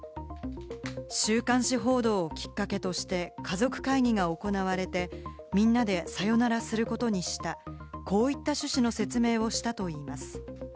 週刊誌報道をきっかけとして家族会議が行われて、みんなでさよならすることにした、こういった趣旨の説明をしたといいます。